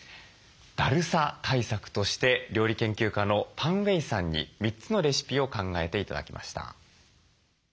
だるさ対策として料理研究家のパン・ウェイさんに３つのレシピを考えて頂きました。